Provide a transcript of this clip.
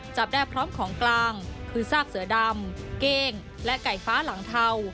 จับได้พร้อมของกลางคือซากเสือดำเก้งและไก่ฟ้าหลังเทา